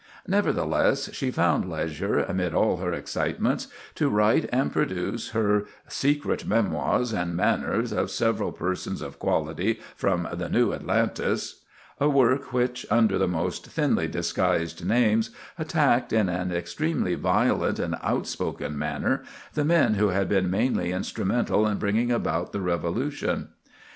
Nevertheless, she found leisure, amid all her excitements, to write and produce her "Secret Memoirs and Manners of Several Persons of Quality, from the New Atalantis"—a work which, under the most thinly disguised names, attacked in an extremely violent and outspoken manner the men who had been mainly instrumental in bringing about the Revolution.